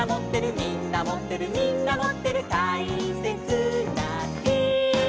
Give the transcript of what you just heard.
「みんなもってるみんなもってる」「たいせつなひ」